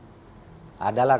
adalah kalau mau dicari cari